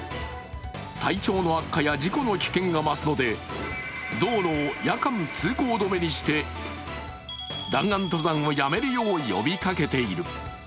体調の悪化や事故の危険が増すので道路を夜間通行止めにして弾丸登山をやめるよう呼びかけている。